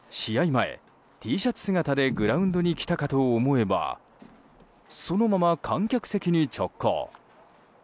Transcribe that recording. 前Ｔシャツ姿でグラウンドに来たかと思えばそのまま観客席に直行。